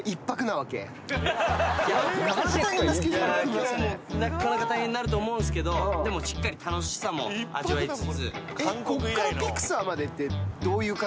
今日もなかなか大変になると思うんすけどでもしっかり楽しさも味わいつつ。